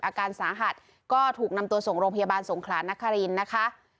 อาการสาหัสก็ถูกนำตัวส่งโรงพยาบาลสงขลานครินนะคะ